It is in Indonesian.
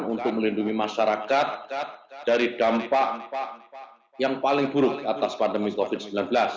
untuk melindungi masyarakat dari dampak yang paling buruk atas pandemi covid sembilan belas